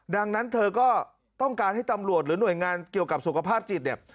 ดังนั้นเธอก็ต้องการให้ตำรวจหรือหน่วยงานเกี่ยวกับสุขภาพจิตเนี่ย